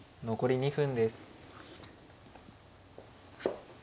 残り２分です。